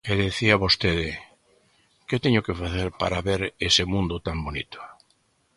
E dicía vostede, ¿que teño que facer para ver ese mundo tan bonito?